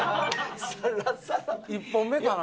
１本目かな？